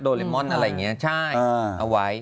เลมอนอะไรอย่างนี้ใช่เอาไว้